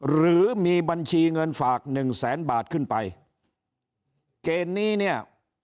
หรือมีบัญชีเงินฝากหนึ่งแสนบาทขึ้นไปเกณฑ์นี้เนี่ย